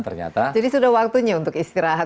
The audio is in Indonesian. ternyata jadi sudah waktunya untuk istirahat